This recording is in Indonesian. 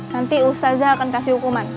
nanti ustazah akan kasih hukuman